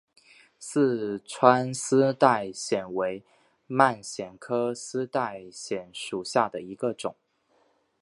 四川丝带藓为蔓藓科丝带藓属下的一个种。